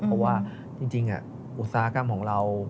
เพราะว่าจริงอุตสาหกรรมของเรา